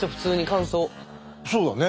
そうだね。